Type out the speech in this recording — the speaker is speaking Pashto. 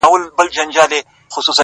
• توروه سترگي ښايستې په خامـوشـۍ كي،